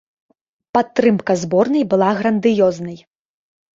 Падтрымка зборнай была грандыёзнай.